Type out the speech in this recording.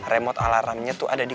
remote alarmnya tuh ada di